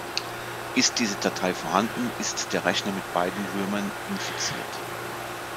Ist diese Datei vorhanden, ist der Rechner mit beiden Würmern infiziert.